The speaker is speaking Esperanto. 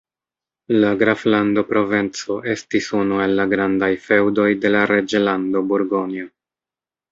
La graflando Provenco estis unu el la grandaj feŭdoj de la reĝlando Burgonjo.